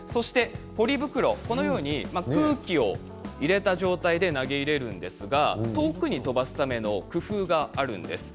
ポリ袋は空気を入れた状態で投げ入れるんですが遠くに飛ばすための工夫があるんです。